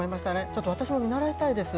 ちょっと私も見習いたいです。